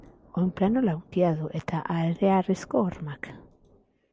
Oinplano laukia du eta hareharrizko hormak.